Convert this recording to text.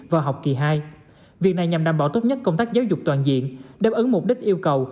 vào học kỳ hai việc này nhằm đảm bảo tốt nhất công tác giáo dục toàn diện đáp ứng mục đích yêu cầu